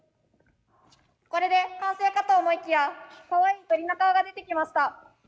これで完成かと思いきやかわいい鳥の顔が出てきました。